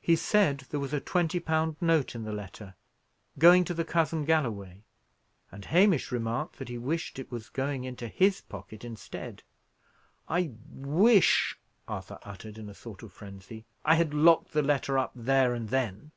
He said there was a twenty pound note in the letter, going to the cousin Galloway, and Hamish remarked that he wished it was going into his pocket instead. "I wish" Arthur uttered, in a sort of frenzy, "I had locked the letter up there and then."